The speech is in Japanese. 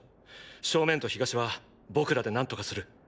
正面と東は僕らでなんとかする。